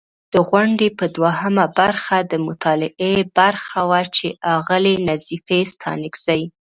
د غونډې په دوهمه برخه، د مطالعې برخه وه چې اغلې نظیفې ستانکزۍ